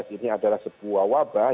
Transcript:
ini adalah sebuah wabah